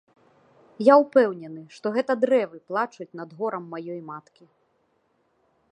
Я ўпэўнены, што гэта дрэвы плачуць над горам маёй маткі.